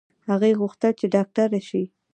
هغې غوښتل چې ډاکټره شي